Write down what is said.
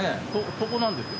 そこなんですよ。